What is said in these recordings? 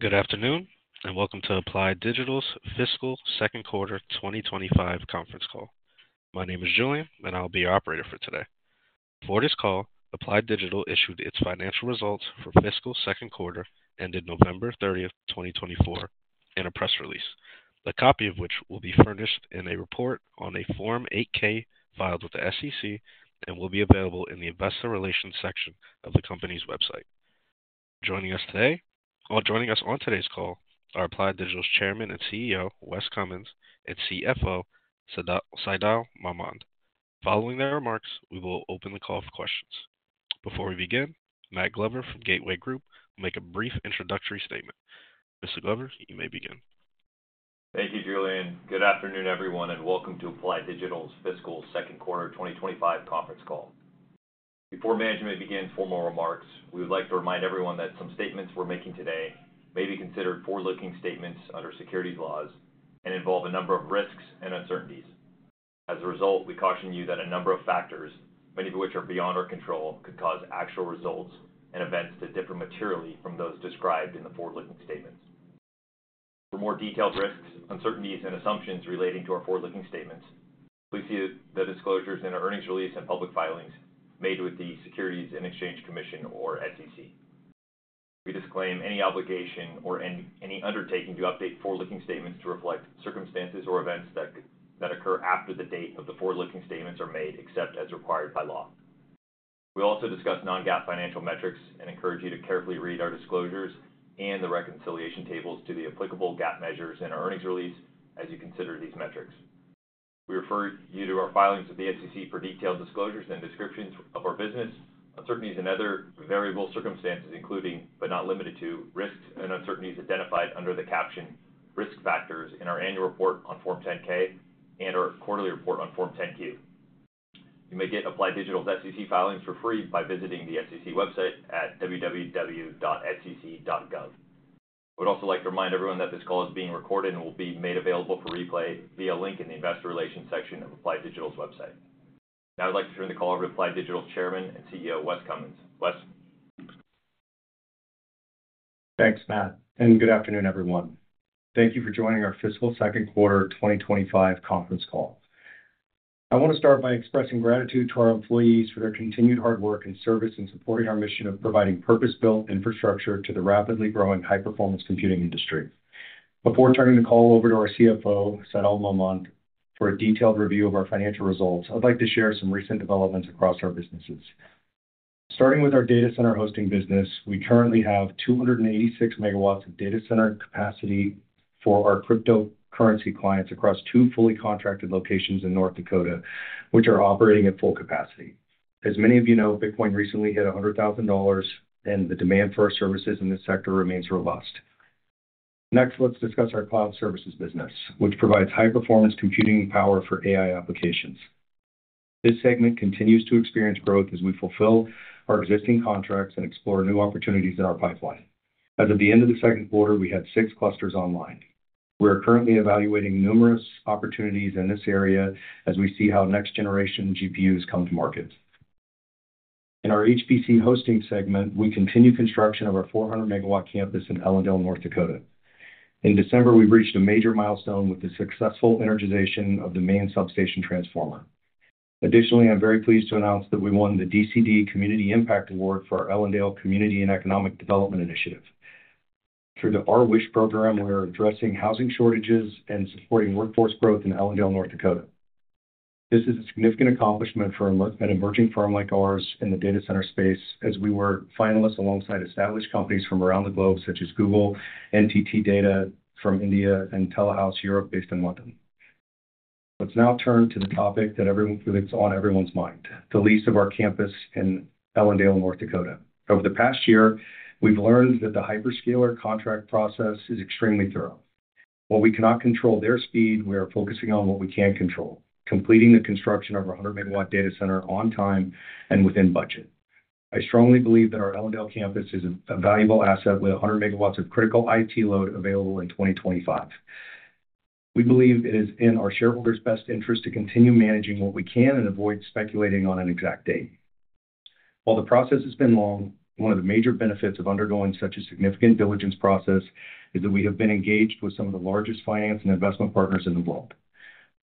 Good afternoon, and welcome to Applied Digital's Fiscal Second Quarter 2025 Conference Call. My name is Julian, and I'll be your operator for today. For this call, Applied Digital issued its financial results for fiscal second quarter ended November 30th, 2024, in a press release, the copy of which will be furnished in a report on a Form 8-K filed with the SEC and will be available in the Investor Relations section of the company's website. Joining us today, well, joining us on today's call are Applied Digital's Chairman and CEO, Wes Cummins, and CFO, Saidal Mohmand. Following their remarks, we will open the call for questions. Before we begin, Matt Glover from Gateway Group will make a brief introductory statement. Mr. Glover, you may begin. Thank you, Julian. Good afternoon, everyone, and welcome to Applied Digital's Fiscal Second Quarter 2025 conference call. Before management begins formal remarks, we would like to remind everyone that some statements we're making today may be considered forward-looking statements under securities laws and involve a number of risks and uncertainties. As a result, we caution you that a number of factors, many of which are beyond our control, could cause actual results and events to differ materially from those described in the forward-looking statements. For more detailed risks, uncertainties, and assumptions relating to our forward-looking statements, please see the disclosures in our earnings release and public filings made with the Securities and Exchange Commission, or SEC. We disclaim any obligation or any undertaking to update forward-looking statements to reflect circumstances or events that occur after the date of the forward-looking statements are made, except as required by law. We also discuss non-GAAP financial metrics and encourage you to carefully read our disclosures and the reconciliation tables to the applicable GAAP measures in our earnings release as you consider these metrics. We refer you to our filings with the SEC for detailed disclosures and descriptions of our business uncertainties and other variable circumstances, including, but not limited to, risks and uncertainties identified under the caption "Risk Factors" in our annual report on Form 10-K and our quarterly report on Form 10-Q. You may get Applied Digital's SEC filings for free by visiting the SEC website at www.sec.gov. I would also like to remind everyone that this call is being recorded and will be made available for replay via a link in the Investor Relations section of Applied Digital's website. Now, I'd like to turn the call over to Applied Digital's Chairman and CEO, Wes Cummins. Wes. Thanks, Matt, and good afternoon, everyone. Thank you for joining our Fiscal Second Quarter 2025 conference call. I want to start by expressing gratitude to our employees for their continued hard work and service in supporting our mission of providing purpose-built infrastructure to the rapidly growing high-performance computing industry. Before turning the call over to our CFO, Saidal Mohmand, for a detailed review of our financial results, I'd like to share some recent developments across our businesses. Starting with our data center hosting business, we currently have 286 megawatts of data center capacity for our cryptocurrency clients across two fully contracted locations in North Dakota, which are operating at full capacity. As many of you know, Bitcoin recently hit $100,000, and the demand for our services in this sector remains robust. Next, let's discuss our cloud services business, which provides high-performance computing power for AI applications. This segment continues to experience growth as we fulfill our existing contracts and explore new opportunities in our pipeline. As of the end of the second quarter, we had six clusters online. We are currently evaluating numerous opportunities in this area as we see how next-generation GPUs come to market. In our HPC hosting segment, we continue construction of our 400-megawatt campus in Ellendale, North Dakota. In December, we reached a major milestone with the successful energization of the main substation transformer. Additionally, I'm very pleased to announce that we won the DCD Community Impact Award for our Ellendale Community and Economic Development Initiative. Through the outreach program, we are addressing housing shortages and supporting workforce growth in Ellendale, North Dakota. This is a significant accomplishment for an emerging firm like ours in the data center space, as we were finalists alongside established companies from around the globe, such as Google, NTT DATA from India, and Telehouse Europe, based in London. Let's now turn to the topic that's on everyone's mind: the lease of our campus in Ellendale, North Dakota. Over the past year, we've learned that the hyperscaler contract process is extremely thorough. While we cannot control their speed, we are focusing on what we can control: completing the construction of our 100-megawatt data center on time and within budget. I strongly believe that our Ellendale campus is a valuable asset with 100 megawatts of critical IT load available in 2025. We believe it is in our shareholders' best interest to continue managing what we can and avoid speculating on an exact date. While the process has been long, one of the major benefits of undergoing such a significant diligence process is that we have been engaged with some of the largest finance and investment partners in the world.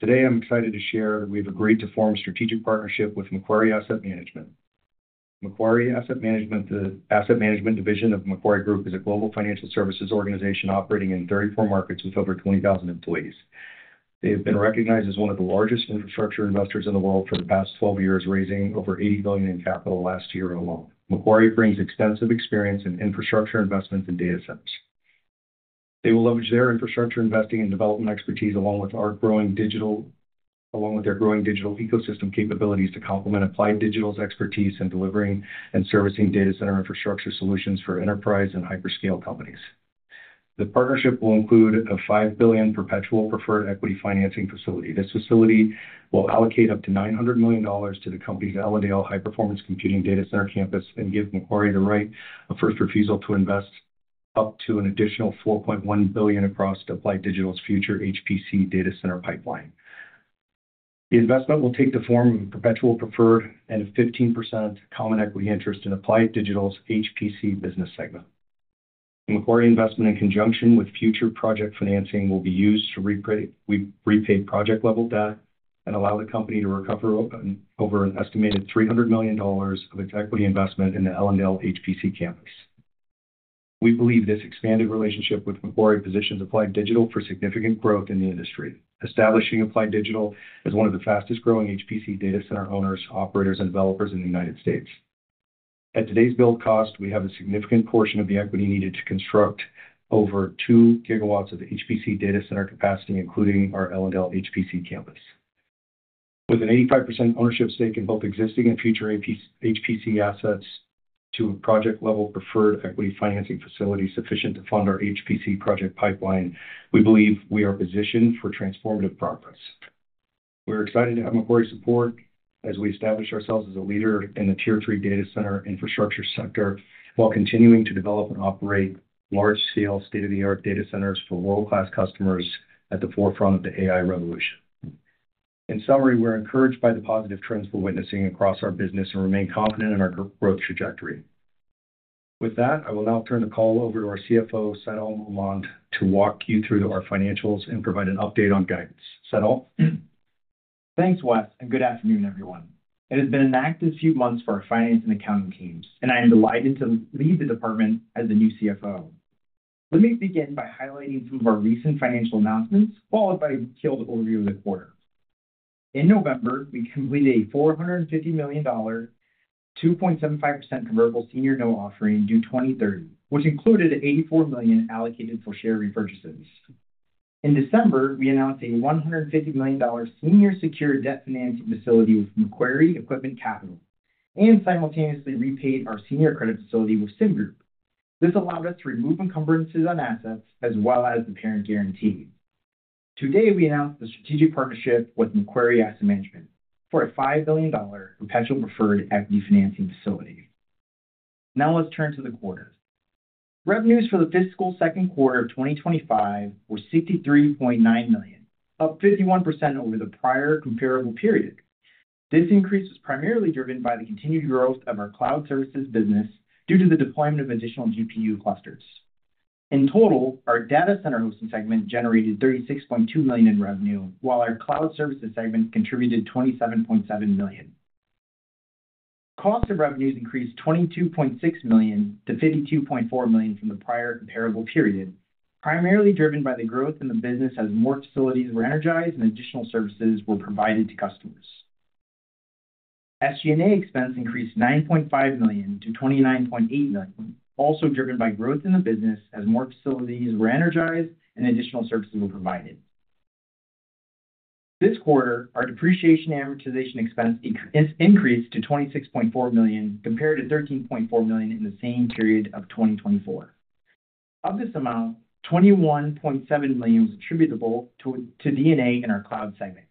Today, I'm excited to share that we've agreed to form a strategic partnership with Macquarie Asset Management. Macquarie Asset Management, the asset management division of Macquarie Group, is a global financial services organization operating in 34 markets with over 20,000 employees. They have been recognized as one of the largest infrastructure investors in the world for the past 12 years, raising over $80 billion in capital last year alone. Macquarie brings extensive experience in infrastructure investments and data centers. They will leverage their infrastructure investing and development expertise along with their growing digital ecosystem capabilities to complement Applied Digital's expertise in delivering and servicing data center infrastructure solutions for enterprise and hyperscale companies. The partnership will include a $5 billion perpetual preferred equity financing facility. This facility will allocate up to $900 million to the company's Ellendale high-performance computing data center campus and give Macquarie the right of first refusal to invest up to an additional $4.1 billion across Applied Digital's future HPC data center pipeline. The investment will take the form of a perpetual preferred and a 15% common equity interest in Applied Digital's HPC business segment. Macquarie investment, in conjunction with future project financing, will be used to repay project-level debt and allow the company to recover over an estimated $300 million of its equity investment in the Ellendale HPC campus. We believe this expanded relationship with Macquarie positions Applied Digital for significant growth in the industry, establishing Applied Digital as one of the fastest-growing HPC data center owners, operators, and developers in the United States. At today's billed cost, we have a significant portion of the equity needed to construct over two gigawatts of HPC data center capacity, including our Ellendale HPC campus. With an 85% ownership stake in both existing and future HPC assets to a project-level preferred equity financing facility sufficient to fund our HPC project pipeline, we believe we are positioned for transformative progress. We are excited to have Macquarie's support as we establish ourselves as a leader in the Tier III data center infrastructure sector while continuing to develop and operate large-scale, state-of-the-art data centers for world-class customers at the forefront of the AI revolution. In summary, we're encouraged by the positive trends we're witnessing across our business and remain confident in our growth trajectory. With that, I will now turn the call over to our CFO, Saidal Mohmand, to walk you through our financials and provide an update on guidance. Saidal? Thanks, Wes, and good afternoon, everyone. It has been an active few months for our finance and accounting teams, and I am delighted to lead the department as the new CFO. Let me begin by highlighting some of our recent financial announcements, followed by a detailed overview of the quarter. In November, we completed a $450 million, 2.75% convertible senior note offering due 2030, which included $84 million allocated for share repurchases. In December, we announced a $150 million senior secured debt financing facility with Macquarie Equipment Capital and simultaneously repaid our senior credit facility with CIM Group. This allowed us to remove encumbrances on assets as well as the parent guarantee. Today, we announced the strategic partnership with Macquarie Asset Management for a $5 billion perpetual preferred equity financing facility. Now, let's turn to the quarter. Revenues for the fiscal second quarter of 2025 were $63.9 million, up 51% over the prior comparable period. This increase was primarily driven by the continued growth of our cloud services business due to the deployment of additional GPU clusters. In total, our data center hosting segment generated $36.2 million in revenue, while our cloud services segment contributed $27.7 million. Cost of revenues increased $22.6 million to $52.4 million from the prior comparable period, primarily driven by the growth in the business as more facilities were energized and additional services were provided to customers. SG&A expense increased $9.5 million to $29.8 million, also driven by growth in the business as more facilities were energized and additional services were provided. This quarter, our depreciation and amortization expense increased to $26.4 million compared to $13.4 million in the same period of 2024. Of this amount, $21.7 million was attributable to D&A in our cloud segment.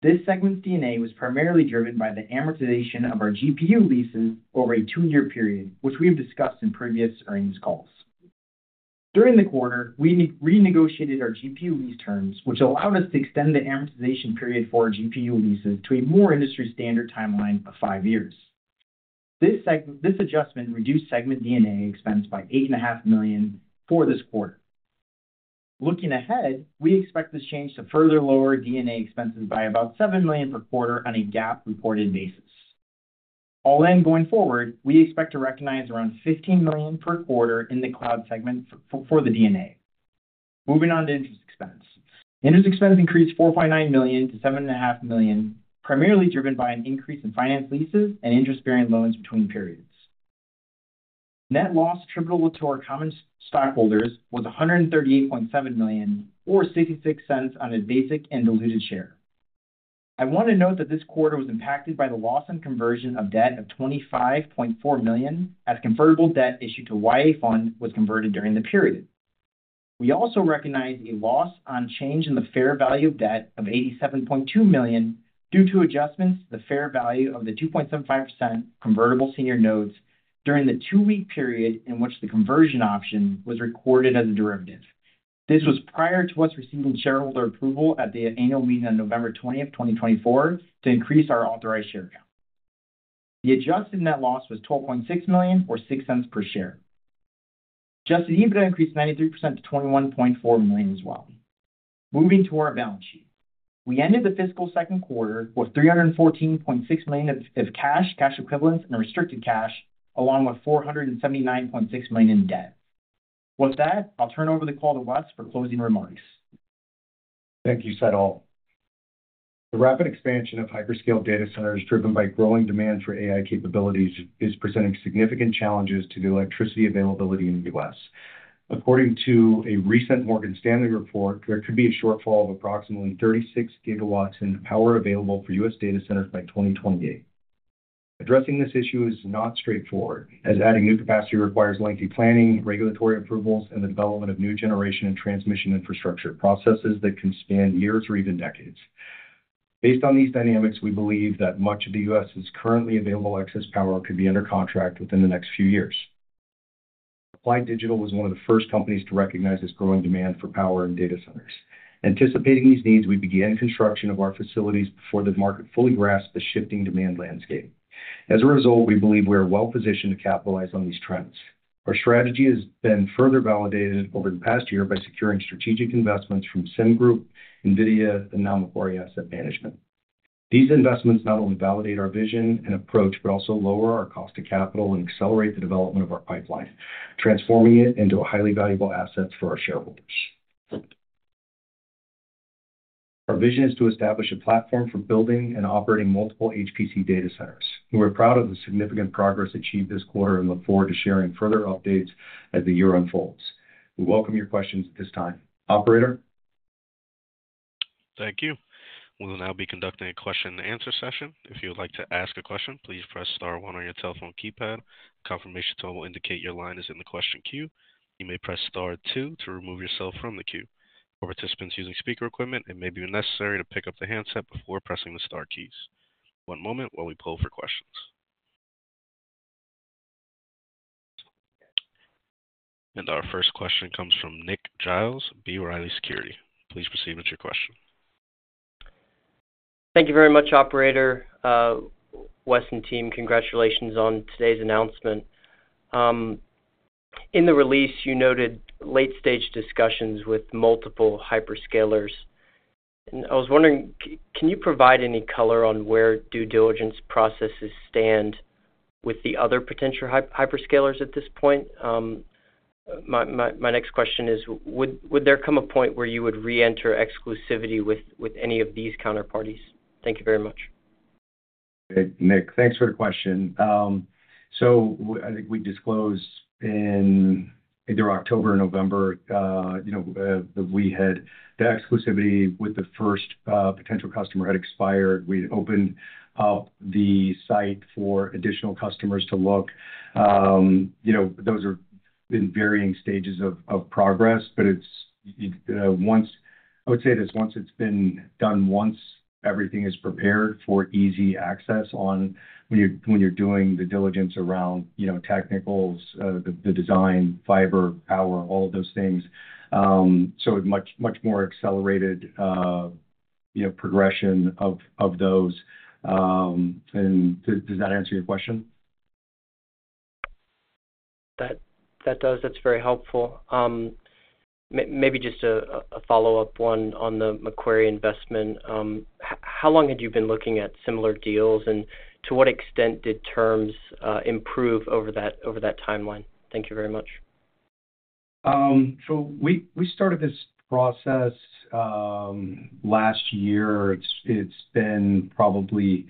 This segment's D&A was primarily driven by the amortization of our GPU leases over a two-year period, which we have discussed in previous earnings calls. During the quarter, we renegotiated our GPU lease terms, which allowed us to extend the amortization period for our GPU leases to a more industry-standard timeline of five years. This adjustment reduced segment D&A expense by $8.5 million for this quarter. Looking ahead, we expect this change to further lower D&A expenses by about $7 million per quarter on a GAAP-reported basis. All in going forward, we expect to recognize around $15 million per quarter in the cloud segment for the D&A. Moving on to interest expense. Interest expense increased $4.9 million to $7.5 million, primarily driven by an increase in finance leases and interest-bearing loans between periods. Net loss attributable to our common stockholders was $138.7 million, or $0.66 per basic and diluted share. I want to note that this quarter was impacted by the loss and conversion of debt of $25.4 million as convertible debt issued to YA Fund was converted during the period. We also recognize a loss on change in the fair value of debt of $87.2 million due to adjustments to the fair value of the 2.75% convertible senior notes during the two-week period in which the conversion option was recorded as a derivative. This was prior to us receiving shareholder approval at the annual meeting on November 20, 2024, to increase our authorized share count. The adjusted net loss was $12.6 million, or $0.06 per share. Adjusted EBITDA increased 93% to $21.4 million as well. Moving to our balance sheet, we ended the fiscal second quarter with $314.6 million of cash, cash equivalents, and restricted cash, along with $479.6 million in debt. With that, I'll turn over the call to Wes for closing remarks. Thank you, Saidal. The rapid expansion of hyperscale data centers driven by growing demand for AI capabilities is presenting significant challenges to the electricity availability in the U.S. According to a recent Morgan Stanley report, there could be a shortfall of approximately 36 gigawatts in power available for U.S. data centers by 2028. Addressing this issue is not straightforward, as adding new capacity requires lengthy planning, regulatory approvals, and the development of new generation and transmission infrastructure processes that can span years or even decades. Based on these dynamics, we believe that much of the U.S.'s currently available excess power could be under contract within the next few years. Applied Digital was one of the first companies to recognize this growing demand for power in data centers. Anticipating these needs, we began construction of our facilities before the market fully grasped the shifting demand landscape. As a result, we believe we are well-positioned to capitalize on these trends. Our strategy has been further validated over the past year by securing strategic investments from CIM Group, NVIDIA, and now Macquarie Asset Management. These investments not only validate our vision and approach but also lower our cost of capital and accelerate the development of our pipeline, transforming it into a highly valuable asset for our shareholders. Our vision is to establish a platform for building and operating multiple HPC data centers. We are proud of the significant progress achieved this quarter and look forward to sharing further updates as the year unfolds. We welcome your questions at this time. Operator? Thank you. We will now be conducting a question-and-answer session. If you would like to ask a question, please press Star 1 on your telephone keypad. Confirmation will indicate your line is in the question queue. You may press Star 2 to remove yourself from the queue. For participants using speaker equipment, it may be necessary to pick up the handset before pressing the Star keys. One moment while we poll for questions. Our first question comes from Nick Giles, B. Riley Securities. Please proceed with your question. Thank you very much, Operator. Wes and team, congratulations on today's announcement. In the release, you noted late-stage discussions with multiple hyperscalers. And I was wondering, can you provide any color on where due diligence processes stand with the other potential hyperscalers at this point? My next question is, would there come a point where you would re-enter exclusivity with any of these counterparties? Thank you very much. Okay, Nick, thanks for the question. So I think we disclosed in either October or November that we had the exclusivity with the first potential customer had expired. We had opened up the site for additional customers to look. Those are in varying stages of progress, but it's once I would say this, once it's been done once, everything is prepared for easy access on when you're doing the diligence around technicals, the design, fiber, power, all of those things. So much more accelerated progression of those, and does that answer your question? That does. That's very helpful. Maybe just a follow-up one on the Macquarie investment. How long had you been looking at similar deals, and to what extent did terms improve over that timeline? Thank you very much. We started this process last year. It's been probably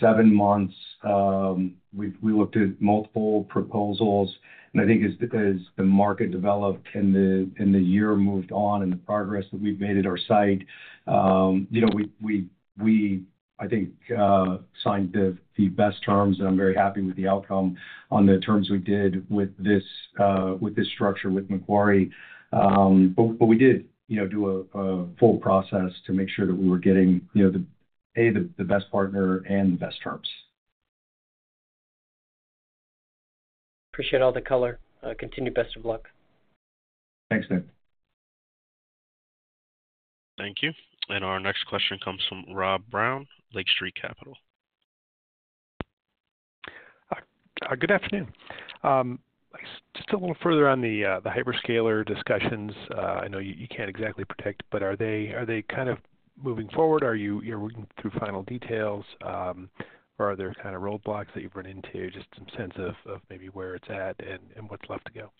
seven months. We looked at multiple proposals. I think as the market developed and the year moved on and the progress that we've made at our site, I think we signed the best terms, and I'm very happy with the outcome on the terms we did with this structure with Macquarie. We did do a full process to make sure that we were getting A, the best partner and the best terms. Appreciate all the color. Continued best of luck. Thanks, Nick. Thank you. And our next question comes from Rob Brown, Lake Street Capital. Good afternoon. Just a little further on the hyperscaler discussions. I know you can't exactly predict, but are they kind of moving forward? Are you working through final details, or are there kind of roadblocks that you've run into? Just some sense of maybe where it's at and what's left to go.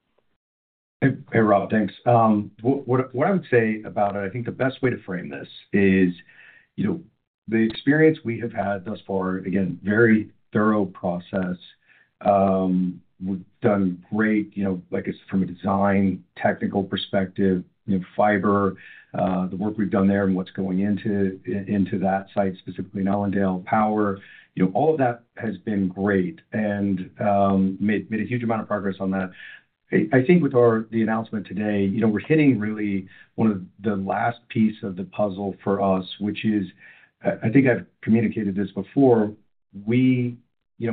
Hey, Rob, thanks. What I would say about it, I think the best way to frame this is the experience we have had thus far, again, very thorough process. We've done great, like I said, from a design technical perspective, fiber, the work we've done there and what's going into that site, specifically in Ellendale power. All of that has been great and made a huge amount of progress on that. I think with the announcement today, we're hitting really one of the last pieces of the puzzle for us, which is, I think I've communicated this before,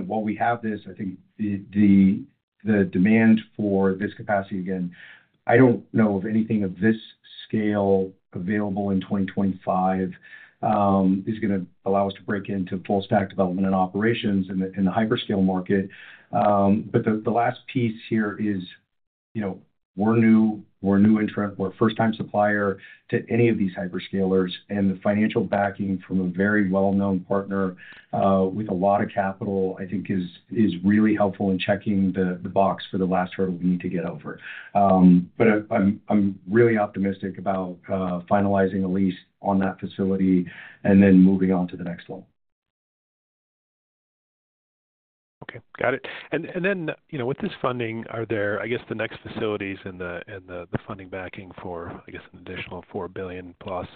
while we have this, I think the demand for this capacity, again, I don't know of anything of this scale available in 2025 is going to allow us to break into full-stack development and operations in the hyperscale market. But the last piece here is we're new, we're a new entrant, we're a first-time supplier to any of these hyperscalers, and the financial backing from a very well-known partner with a lot of capital, I think, is really helpful in checking the box for the last hurdle we need to get over. But I'm really optimistic about finalizing a lease on that facility and then moving on to the next one. Okay. Got it. And then with this funding, are there, I guess, the next facilities and the funding backing for, I guess, an additional $4 billion plus?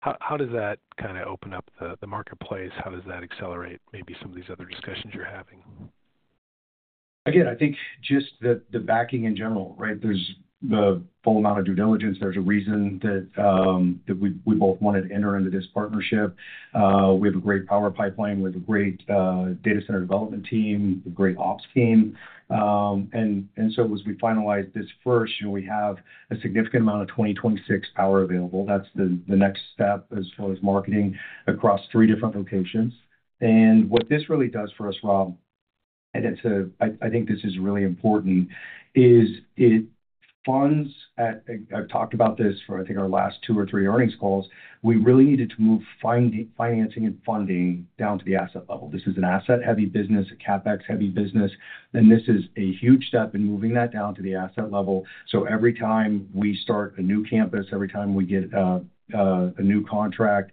How does that kind of open up the marketplace? How does that accelerate maybe some of these other discussions you're having? Again, I think just the backing in general, right? There's the full amount of due diligence. There's a reason that we both wanted to enter into this partnership. We have a great power pipeline. We have a great data center development team, a great ops team. And so as we finalize this first, we have a significant amount of 2026 power available. That's the next step as far as marketing across three different locations. And what this really does for us, Rob, and I think this is really important, is that funds that I've talked about this for, I think, our last two or three earnings calls. We really needed to move financing and funding down to the asset level. This is an asset-heavy business, a CapEx-heavy business, and this is a huge step in moving that down to the asset level. Every time we start a new campus, every time we get a new contract,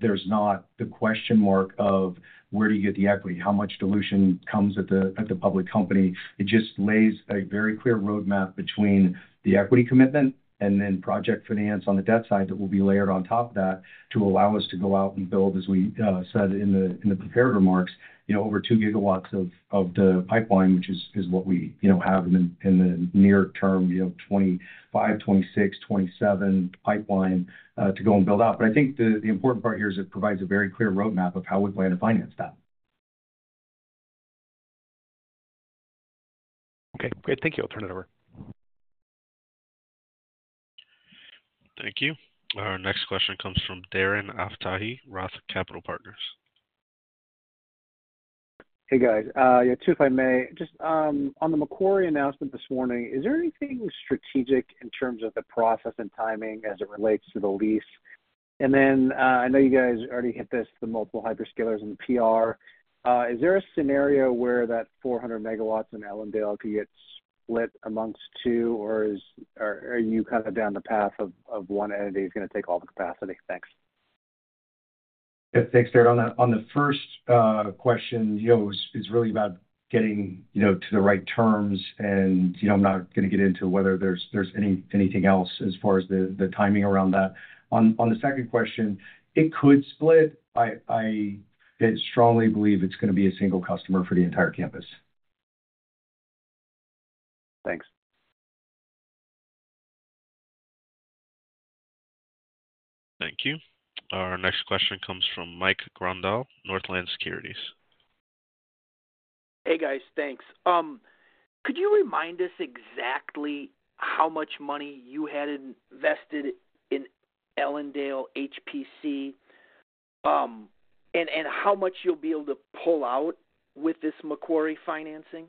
there's not the question mark of where do you get the equity, how much dilution comes at the public company. It just lays a very clear roadmap between the equity commitment and then project finance on the debt side that will be layered on top of that to allow us to go out and build, as we said in the prepared remarks, over two gigawatts of the pipeline, which is what we have in the near term, 2025, 2026, 2027 pipeline to go and build out. I think the important part here is it provides a very clear roadmap of how we plan to finance that. Okay. Great. Thank you. I'll turn it over. Thank you. Our next question comes from Darren Aftahi, Roth Capital Partners. Hey, guys. Yeah, too, if I may, just on the Macquarie announcement this morning, is there anything strategic in terms of the process and timing as it relates to the lease? And then I know you guys already hit this, the multiple hyperscalers and HPC. Is there a scenario where that 400 megawatts in Ellendale could get split among two, or are you kind of down the path of one entity is going to take all the capacity? Thanks. Thanks, Darren. On the first question, it's really about getting to the right terms, and I'm not going to get into whether there's anything else as far as the timing around that. On the second question, it could split. I strongly believe it's going to be a single customer for the entire campus. Thanks. Thank you. Our next question comes from Mike Grondahl, Northland Securities. Hey, guys. Thanks. Could you remind us exactly how much money you had invested in Ellendale HPC and how much you'll be able to pull out with this Macquarie financing?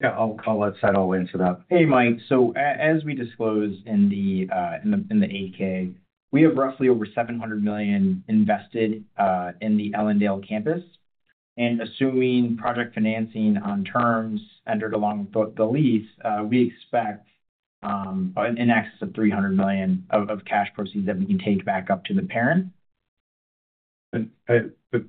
Yeah, I'll call that Saidal wins for that. Hey, Mike. So as we disclose in the 8-K, we have roughly over $700 million invested in the Ellendale campus. And assuming project financing on terms entered along with the lease, we expect an excess of $300 million of cash proceeds that we can take back up to the parent.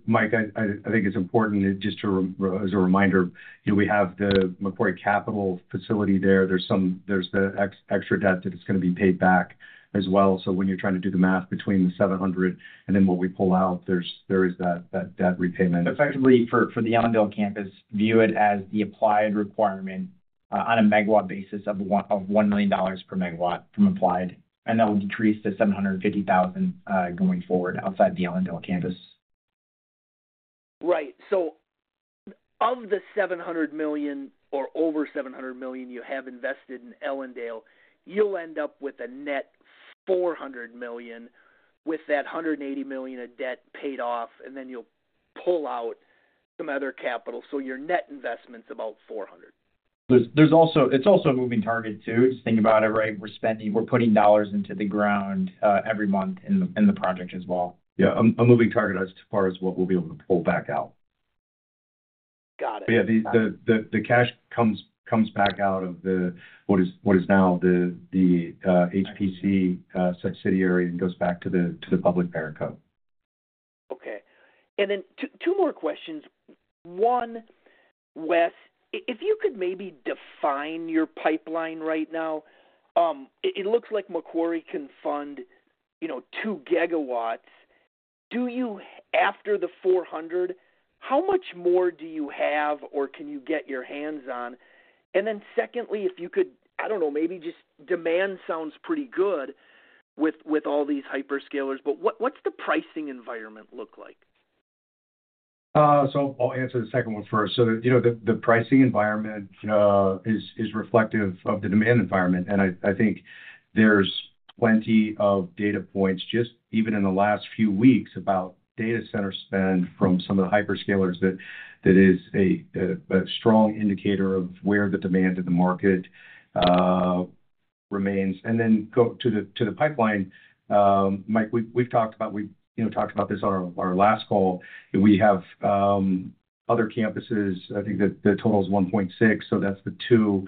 Mike, I think it's important just as a reminder, we have the Macquarie Capital facility there. There's the extra debt that is going to be paid back as well. So when you're trying to do the math between the $700 and then what we pull out, there is that debt repayment. Effectively, for the Ellendale campus, view it as the applied requirement on a megawatt basis of $1 million per megawatt from Applied, and that will decrease to $750,000 going forward outside the Ellendale campus. Right. So of the $700 million or over $700 million you have invested in Ellendale, you'll end up with a net $400 million with that $180 million of debt paid off, and then you'll pull out some other capital. So your net investment's about $400. It's also a moving target, too. Just think about it, right? We're putting dollars into the ground every month in the project as well. Yeah. A moving target as far as what we'll be able to pull back out. Got it. But yeah, the cash comes back out of what is now the HPC subsidiary and goes back to the public parent company. Okay. And then two more questions. One, Wes, if you could maybe define your pipeline right now, it looks like Macquarie can fund two gigawatts. After the $400, how much more do you have or can you get your hands on? And then secondly, if you could, I don't know, maybe just demand sounds pretty good with all these hyperscalers, but what's the pricing environment look like? So I'll answer the second one first. So the pricing environment is reflective of the demand environment. And I think there's plenty of data points, just even in the last few weeks, about data center spend from some of the hyperscalers that is a strong indicator of where the demand in the market remains. And then to the pipeline, Mike, we've talked about this on our last call. We have other campuses. I think the total is 1.6, so that's the two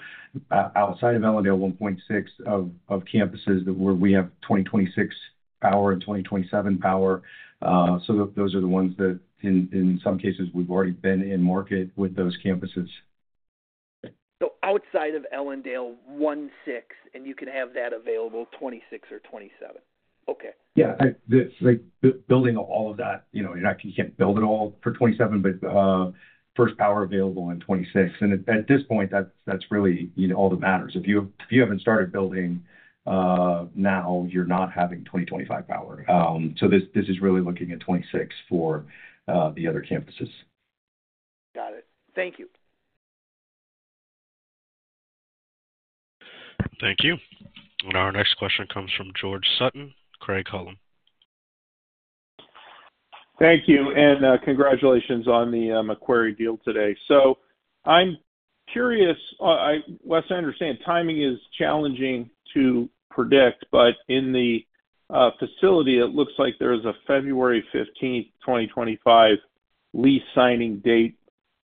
outside of Ellendale, 1.6 of campuses where we have 2026 power and 2027 power. So those are the ones that in some cases we've already been in market with those campuses. Outside of Ellendale, 1.6, and you can have that available 26 or 27. Okay. Yeah. Building all of that, you can't build it all for 2027, but first power available in 2026. And at this point, that's really all that matters. If you haven't started building now, you're not having 2025 power. So this is really looking at 2026 for the other campuses. Got it. Thank you. Thank you. Our next question comes from George Sutton, Craig-Hallum. Thank you and congratulations on the Macquarie deal today, so I'm curious, Wes. I understand timing is challenging to predict, but in the facility, it looks like there's a February 15th, 2025 lease signing date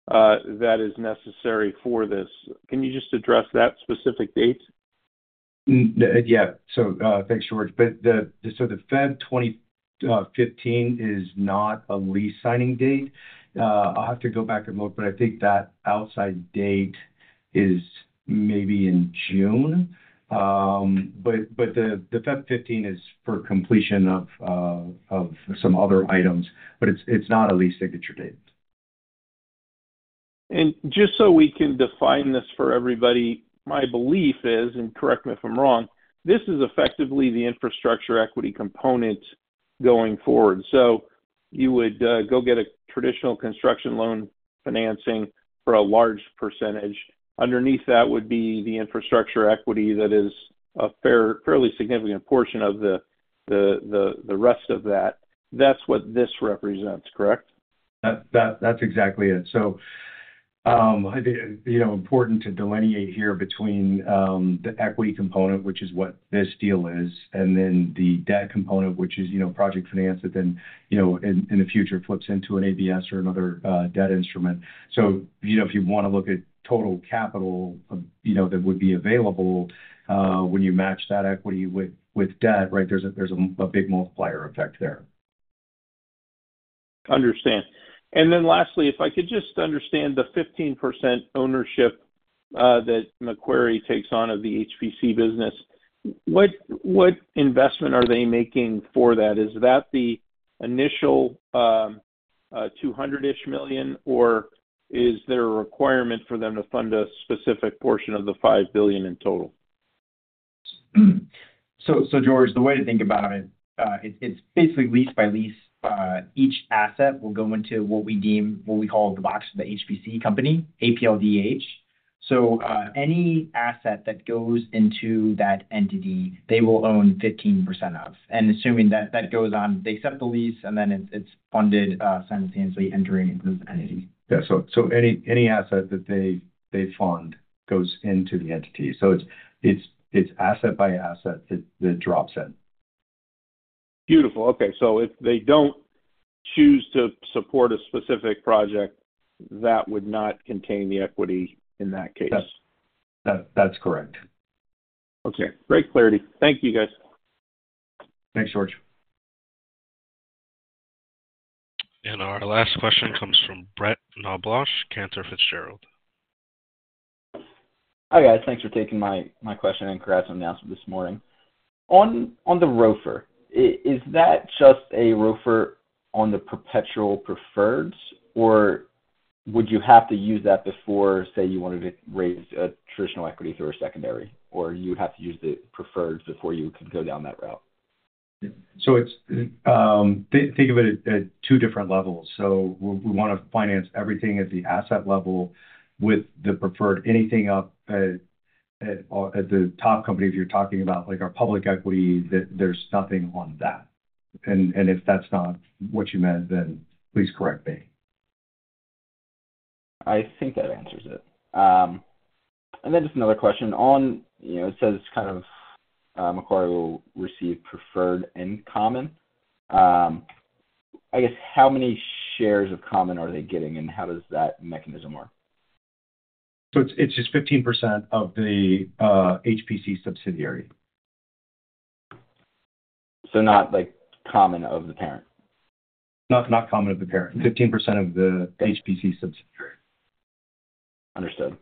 that is necessary for this. Can you just address that specific date? Yeah. So thanks, George. So the February 2015 is not a lease signing date. I'll have to go back and look, but I think that outside date is maybe in June. But the February 15 is for completion of some other items, but it's not a lease signature date. And just so we can define this for everybody, my belief is, and correct me if I'm wrong, this is effectively the infrastructure equity component going forward. So you would go get a traditional construction loan financing for a large percentage. Underneath that would be the infrastructure equity that is a fairly significant portion of the rest of that. That's what this represents, correct? That's exactly it. So important to delineate here between the equity component, which is what this deal is, and then the debt component, which is project finance that then in the future flips into an ABS or another debt instrument. So if you want to look at total capital that would be available when you match that equity with debt, right, there's a big multiplier effect there. Understand. And then lastly, if I could just understand the 15% ownership that Macquarie takes on of the HPC business, what investment are they making for that? Is that the initial $200-ish million, or is there a requirement for them to fund a specific portion of the $5 billion in total? So George, the way to think about it, it's basically lease by lease. Each asset will go into what we call the box of the HPC company, APLDH. So any asset that goes into that entity, they will own 15% of. And assuming that goes on, they accept the lease, and then it's funded simultaneously entering into the entity. Yeah. So any asset that they fund goes into the entity. So it's asset by asset that drops in. Beautiful. Okay, so if they don't choose to support a specific project, that would not contain the equity in that case. That's correct. Okay. Great clarity. Thank you, guys. Thanks, George. Our last question comes from Brett Knoblauch, Cantor Fitzgerald. Hi, guys. Thanks for taking my question and congrats on the announcement this morning. On the ROFR, is that just a ROFR on the perpetual preferreds, or would you have to use that before, say, you wanted to raise a traditional equity through a secondary, or you would have to use the preferreds before you could go down that route? So think of it at two different levels. So we want to finance everything at the asset level with the preferred. Anything up at the top company, if you're talking about our public equity, there's nothing on that. And if that's not what you meant, then please correct me. I think that answers it, and then just another question. It says kind of Macquarie will receive preferred and common. I guess how many shares of common are they getting, and how does that mechanism work? It's just 15% of the HPC subsidiary. So, not common of the parent? Not common of the parent. 15% of the HPC subsidiary. Understood.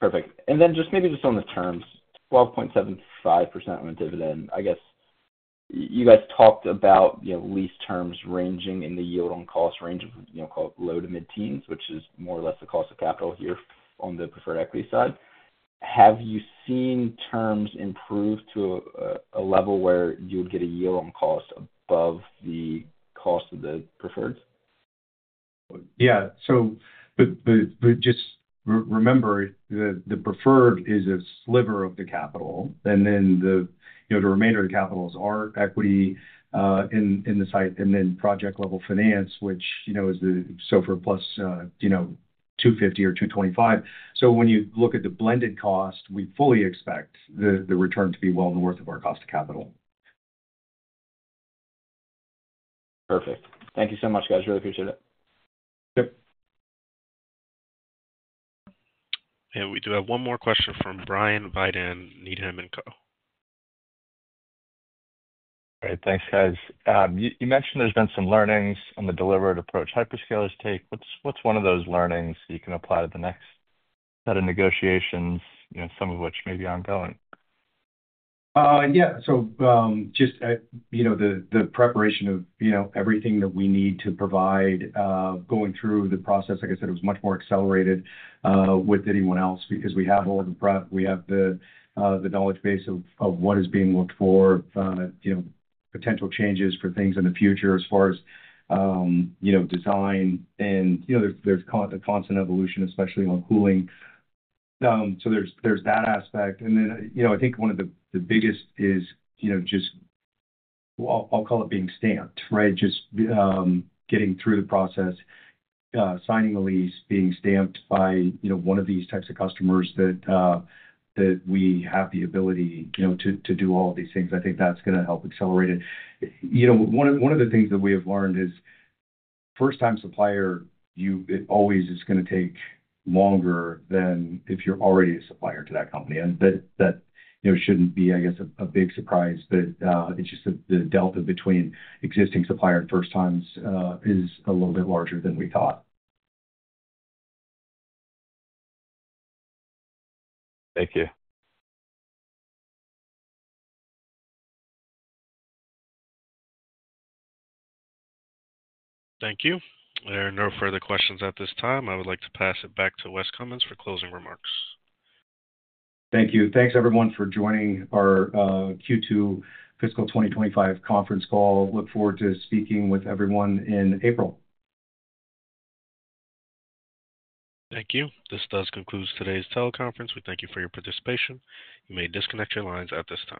Perfect. And then just maybe just on the terms, 12.75% on a dividend. I guess you guys talked about lease terms ranging in the yield on cost range of low- to mid-teens%, which is more or less the cost of capital here on the preferred equity side. Have you seen terms improve to a level where you would get a yield on cost above the cost of the preferreds? Yeah. But just remember, the preferred is a sliver of the capital, and then the remainder of the capital is our equity in the site, and then project-level finance, which is the SOFR plus 250 or 225. So when you look at the blended cost, we fully expect the return to be well north of our cost of capital. Perfect. Thank you so much, guys. Really appreciate it. We do have one more question from Brian Weidan, Needham & Co. All right. Thanks, guys. You mentioned there's been some learnings on the deliberate approach hyperscalers take. What's one of those learnings you can apply to the next set of negotiations, some of which may be ongoing? Yeah. So just the preparation of everything that we need to provide, going through the process, like I said, it was much more accelerated with anyone else because we have all the prep. We have the knowledge base of what is being looked for, potential changes for things in the future as far as design. And there's constant evolution, especially on cooling. So there's that aspect. And then I think one of the biggest is just, I'll call it being stamped, right? Just getting through the process, signing a lease, being stamped by one of these types of customers that we have the ability to do all of these things. I think that's going to help accelerate it. One of the things that we have learned is first-time supplier, it always is going to take longer than if you're already a supplier to that company. And that shouldn't be, I guess, a big surprise, but it's just the delta between existing supplier and first-times is a little bit larger than we thought. Thank you. Thank you. There are no further questions at this time. I would like to pass it back to Wes Cummins for closing remarks. Thank you. Thanks, everyone, for joining our Q2 Fiscal 2025 conference call. Look forward to speaking with everyone in April. Thank you. This does conclude today's teleconference. We thank you for your participation. You may disconnect your lines at this time.